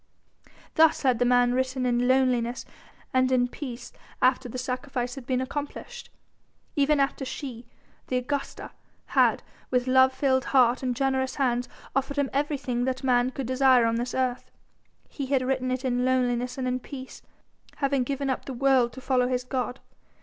Thus had the man written in loneliness and in peace after the sacrifice had been accomplished, even after she the Augusta had, with love filled heart and generous hands, offered him everything that man could desire on this earth. He had written it in loneliness and in peace, having given up the world to follow his God.